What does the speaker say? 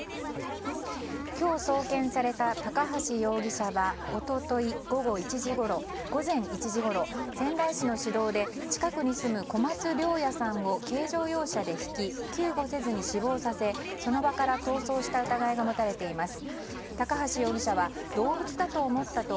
今日送検された高橋容疑者は一昨日午前１時ごろ仙台市の市道で近くに住む小松涼也さんを軽乗用車でひき救護せずに死亡させその場から逃走した疑いが持たれています。